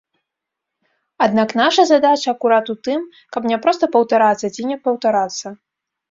Аднак наша задача акурат у тым, каб не проста паўтарацца ці не паўтарацца.